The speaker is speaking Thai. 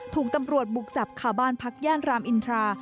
ถูกตำรวจบุกจับขาบ้านพักย่านรามอินทรา